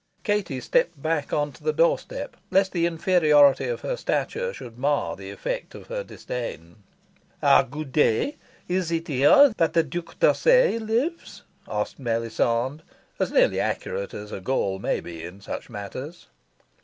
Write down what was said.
Katie stepped back on to the doorstep, lest the inferiority of her stature should mar the effect of her disdain. "Good day. Is it here that Duke D'Orsay lives?" asked Melisande, as nearly accurate as a Gaul may be in such matters.